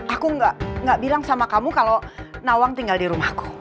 aku nggak bilang sama kamu kalau nawang tinggal di rumahku